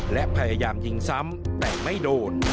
และพยายามยิงซ้ำแต่ไม่โดน